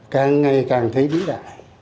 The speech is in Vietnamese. càng ngày càng thấy bí đại